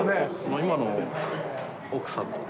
今の奥さんと。